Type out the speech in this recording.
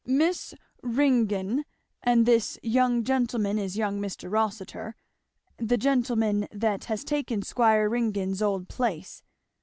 "Miss Ringgan and this young gentleman is young Mr. Rossitur the gentleman that has taken Squire Ringgan's old place.